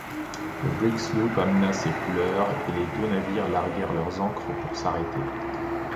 Le brick-sloop amena ses couleurs et les deux navires larguèrent leurs ancres pour s'arrêter.